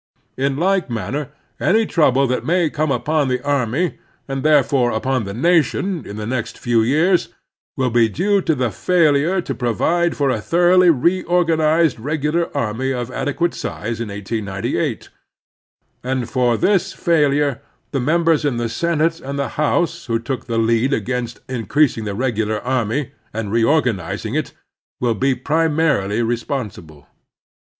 In like manner, any Preparedness and Unpreparedncss 171 trouble that may come upon the army, and there fore upon the nation, in the next few years, will be due to the failure to provide for a thoroughly reorganized regular army of adequate size in 1898 ; and for this f aflure the members in the Senate and the House who took the lead against increasing the regular army, and reorganizing it, will be primarily responsible.